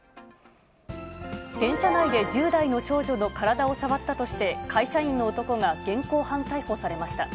電車内で１０代の少女の体を触ったとして、会社員の男が現行犯逮捕されました。